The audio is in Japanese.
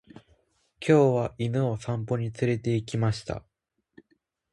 今日は犬を散歩に連れて行きました。